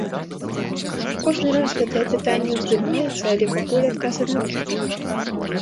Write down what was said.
Кожны раз гэтае пытанне ўздымаецца, але пакуль адказ аднолькавы.